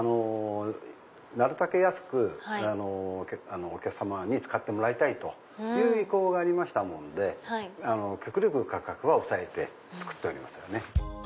なるたけ安くお客さまに使ってもらいたいという意向がありましたもんで極力価格は抑えて作っております。